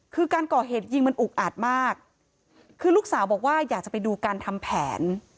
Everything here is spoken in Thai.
คือการก่อเหตุยิงมันอุกอาดมากคือลูกสาวบอกว่าอยากจะไปดูการทำแผน